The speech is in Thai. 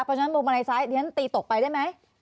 เพราะฉะนั้นมุมมาลัยซ้ายที่ฉันตีตกไปได้ไหม